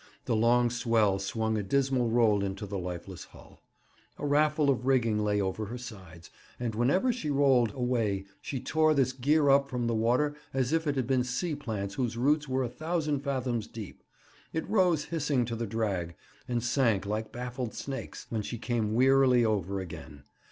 The long swell swung a dismal roll into the lifeless hull. A raffle of rigging lay over her sides, and whenever she rolled away she tore this gear up from the water as if it had been sea plants whose roots were a thousand fathoms deep; it rose hissing to the drag, and sank, like baffled snakes, when she came wearily over again.